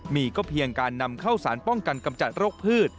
มีก็เพียงการนำเข้าสารป้องกันกำจัดโรคพืช